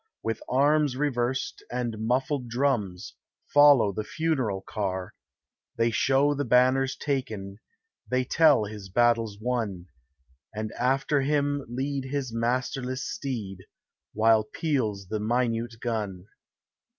With arms reversed and muffled drums, Follow the funeral car: They show the banners taken; They tell his battles won; And after him lead his masterless steed, While peals the minute gun.